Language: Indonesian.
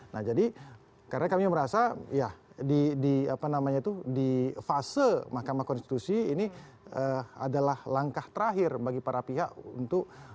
nah jadi karena kami merasa ya di apa namanya itu di fase mahkamah konstitusi ini adalah langkah terakhir bagi para pihak untuk